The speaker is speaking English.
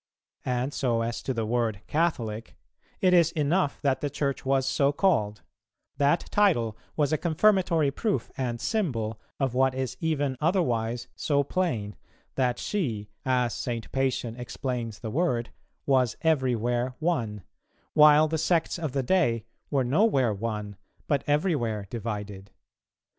And so as to the word "Catholic;" it is enough that the Church was so called; that title was a confirmatory proof and symbol of what is even otherwise so plain, that she, as St. Pacian explains the word, was everywhere one, while the sects of the day were nowhere one, but everywhere divided.